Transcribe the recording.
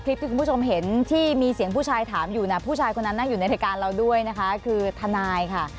คลิปที่คุณผู้ชมเห็นที่มีเสียงผู้ชายถามอยู่นะผู้ชายคนนั้นนั่งอยู่ในรายการเราด้วยนะคะคือทนายค่ะ